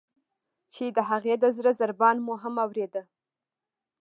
چې د هغې د زړه ضربان مو هم اوریده.